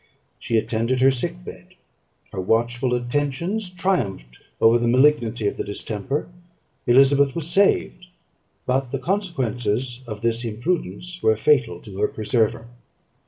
She attended her sick bed, her watchful attentions triumphed over the malignity of the distemper, Elizabeth was saved, but the consequences of this imprudence were fatal to her preserver.